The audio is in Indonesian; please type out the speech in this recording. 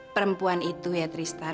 perempuan itu ya tristan